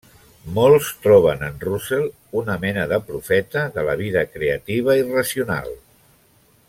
Molts troben en Russell una mena de profeta de la vida creativa i racional.